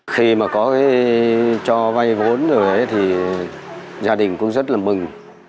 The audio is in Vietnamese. khi mà có cái cho vay vốn rồi ấy thì gia đình cũng rất là mừng